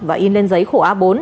và in lên giấy khổ a bốn